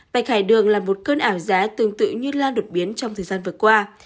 bạch khải đường là một cơn ảo giá tương tự như lan đột biến trong thời gian vừa qua